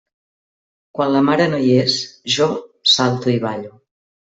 Quan la mare no hi és, jo salto i ballo.